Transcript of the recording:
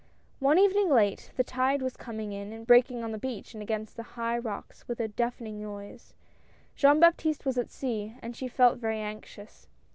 One evening late, the tide was coming in and break ing on the beach and against the high rocks with a deafening noise, Jean Baptiste was at sea and she felt very anxious.